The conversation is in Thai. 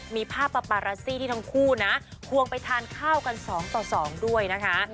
มีภาพปาปาราซี่ที่ทั้งคู่นะควงไปทานข้าวกัน๒ต่อ๒ด้วยนะคะ